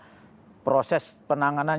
tidak ada kes penanganan